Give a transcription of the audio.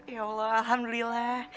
ya allah alhamdulillah